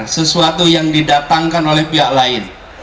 sesuatu yang didatangkan oleh pihak lain